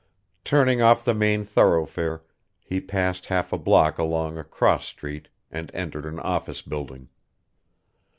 Turning off the main thoroughfare, he passed half a block along a cross street and entered an office building.